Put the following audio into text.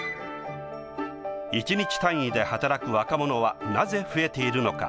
１日単位で働く若者はなぜ増えているのか。